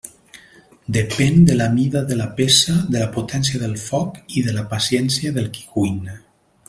Depèn de la mida de la peça, de la potència del foc i de la paciència del qui cuina.